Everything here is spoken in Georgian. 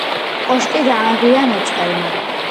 კოშკი დაანგრია მეწყერმა.